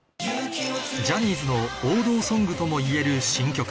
ジャニーズの王道ソングともいえる新曲